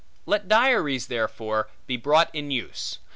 Let diaries, therefore, be brought in use.